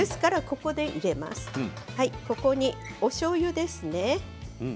ここに、おしょうゆですね。